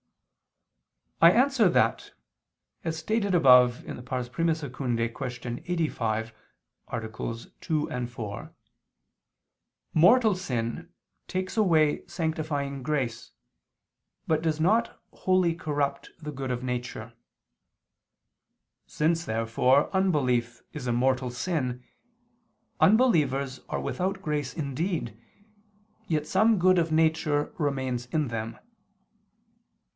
I answer that, As stated above (I II, Q. 85, AA. 2, 4) mortal sin takes away sanctifying grace, but does not wholly corrupt the good of nature. Since therefore, unbelief is a mortal sin, unbelievers are without grace indeed, yet some good of nature remains in them.